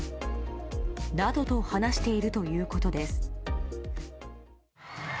などと話しているということです。